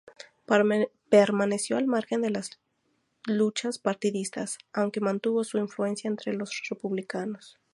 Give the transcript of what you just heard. Permaneció al margen de las luchas partidistas, aunque mantuvo su influencia entre los republicanos.